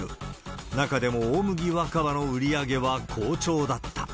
中でも大麦若葉の売り上げは好調だった。